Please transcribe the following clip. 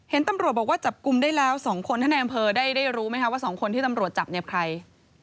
เห็นตำรวจบกุมได้แล้ว๒คนถ้าในบริษัทได้รู้มั้ยว่า๒คนที่ตำรวจจับใคร